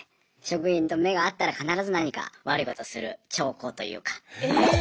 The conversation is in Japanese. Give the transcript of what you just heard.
職員と目が合ったら必ず何か悪いことする兆候というか。